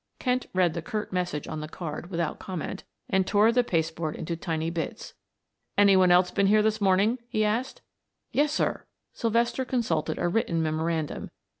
Kent read the curt message on the card without comment and tore the paste board into tiny bits. "Any one else been in this morning?" he asked. "Yes, sir." Sylvester consulted a written memorandum.